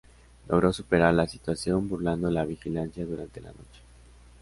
Logró superar la situación burlando la vigilancia durante la noche.